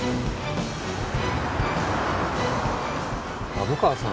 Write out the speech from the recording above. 虻川さん